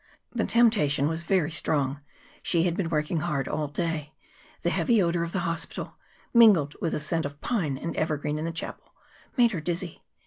The temptation was very strong. She had been working hard all day. The heavy odor of the hospital, mingled with the scent of pine and evergreen in the chapel; made her dizzy.